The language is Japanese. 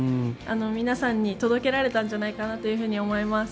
皆さんに届けられたんじゃないかなというふうに思います。